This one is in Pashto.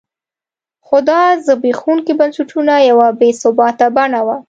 خو دا د زبېښونکو بنسټونو یوه بې ثباته بڼه وه.